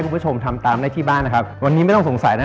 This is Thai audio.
คุณผู้ชมทำตามได้ที่บ้านนะครับวันนี้ไม่ต้องสงสัยนะ